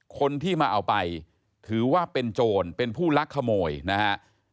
คนที่มาเอาไปถือว่าเป็นโจรเป็นผู้ลักขโมยนะฮะ